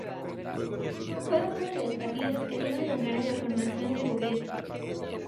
Fue uno de los partidos que dieron lugar a la formación de gobierno.